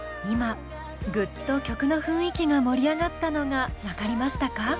今ぐっと曲の雰囲気が盛り上がったのが分かりましたか？